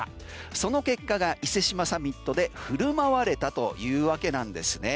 その結果が伊勢志摩サミットで振る舞われたというわけです。